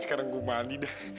sekarang gue mandi dah